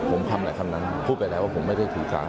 ผมทำอะไรคำนั้นพูดไปแล้วว่าผมไม่ได้ถือการ